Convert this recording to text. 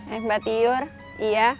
eh mbak tiur iya